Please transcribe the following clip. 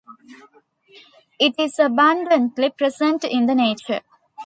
It is abundantly present in the nature.